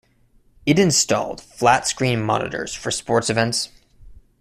It installed flat screen monitors for sports events.